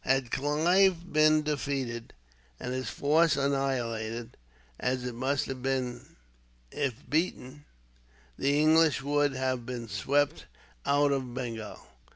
Had Clive been defeated, and his force annihilated, as it must have been if beaten, the English would have been swept out of Bengal.